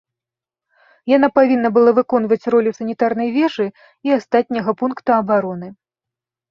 Яна павінна была выконваць ролю санітарнай вежы і астатняга пункта абароны.